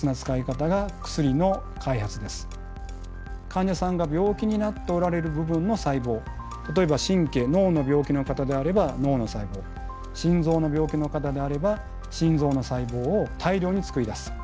患者さんが病気になっておられる部分の細胞例えば神経脳の病気の方であれば脳の細胞心臓の病気の方であれば心臓の細胞を大量につくり出す。